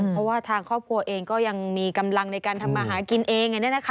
เพราะว่าทางครอบครัวเองก็ยังมีกำลังในการทำมาหากินเอง